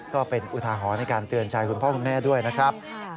ก็เป็นอุทาหรณ์ในการเตือนใจคุณพ่อคุณแม่ด้วยนะครับ